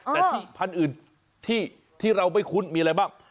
แต่ที่พันธุ์อื่นที่เราไม่คุ้นมีอะไรบ้าง